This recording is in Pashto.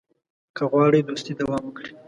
که غواړې دوستي دوام وکړي.